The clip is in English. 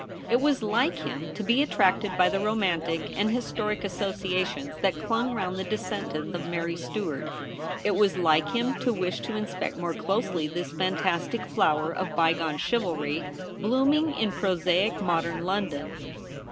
It was like him to be attracted by the romantic and historic associations that clung round the descendant of Mary Stuart. It was like him to wish to inspect more closely this fantastic flower of bygone chivalry, blooming in prosaic modern London.